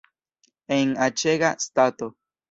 En aĉega stato!